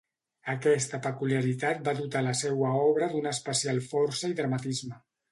Aquesta peculiaritat va dotar la seua obra d'una especial força i dramatisme.